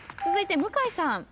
続いて向井さん。